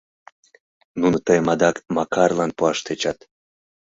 Нуно тыйым адак Макарлан пуаш тӧчат.